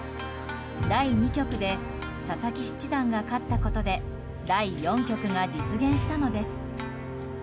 第２局で佐々木七段が勝ったことで第４局が実現したのです。